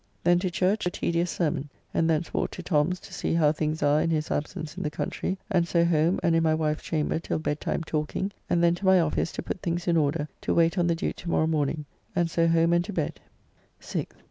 Then to church to a tedious sermon, and thence walked to Tom's to see how things are in his absence in the country, and so home and in my wife's chamber till bedtime talking, and then to my office to put things in order to wait on the Duke to morrow morning, and so home and to bed. 6th.